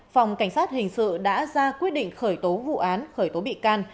phòng cảnh sát hình sự đã ra quyết định khởi tố vụ án khởi tố bị can